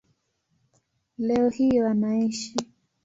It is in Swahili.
Leo hii wanaishi